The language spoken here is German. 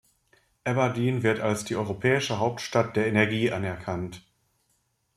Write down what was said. Aberdeen wird als die europäische Hauptstadt der Energie anerkannt.